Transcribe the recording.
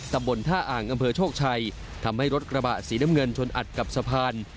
ตำบลท่าอ่างอำเภอโชคชัยทำให้รถกระบะสีน้ำเงินชนอัดกับสะพาน